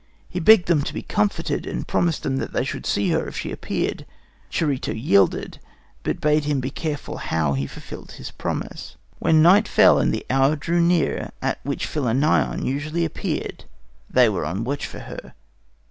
He begged them to be comforted, and promised them that they should see her if she appeared. Charito yielded, but bade him be careful how he fulfilled his promise. "When night fell and the hour drew near at which Philinnion usually appeared, they were on the watch for her.